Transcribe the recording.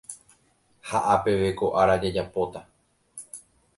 Ha apeve ko ára jajapóta